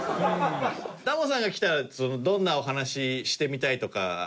タモさんが来たらどんなお話してみたいとかあります？